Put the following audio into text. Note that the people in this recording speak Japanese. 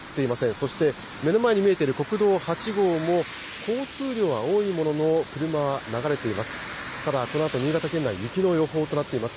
そして、目の前に見えている国道８号も、交通量は多いものの、車は流れています。